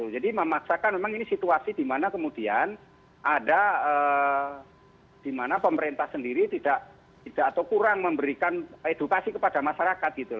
jadi memang memaksakan memang ini situasi di mana kemudian ada di mana pemerintah sendiri tidak atau kurang memberikan edukasi kepada masyarakat